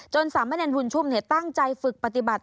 จนสามเมอร์เนียนบุญชมตั้งใจฝึกปฏิบัติ